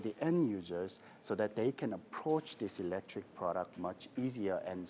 agar mereka bisa menghadapikan produk elektrik ini dengan lebih mudah dan lebih cepat